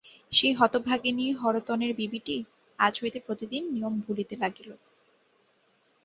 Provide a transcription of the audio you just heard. সেই হতভাগিনী হরতনের বিবিটি আজ হইতে প্রতিদিন নিয়ম ভুলিতে লাগিল।